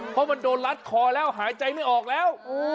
เพราะมันโดนรัดคอแล้วหายใจไม่ออกแล้ว